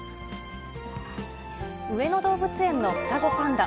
上野動物園の双子パンダ。